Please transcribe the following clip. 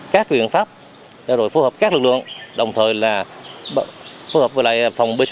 các viện pháp đã rồi phù hợp các lực lượng đồng thời là phù hợp với lại phòng pc hai